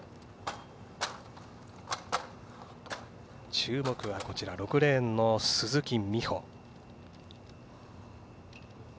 注目は６レーンの鈴木美帆。